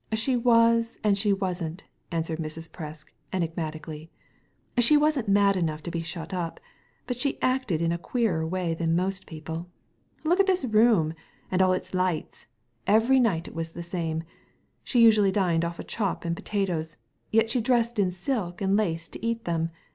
'* She was and she wasn't,'' answered Mrs. Presk, enigmatically. She wasn't mad enough to be shut up, but she acted in a queerer way than most people. Look at this room, and all its lights ; every night it was the same. She usually dined off a chop and potatoes, yet she dressed in silk and lace to eat them.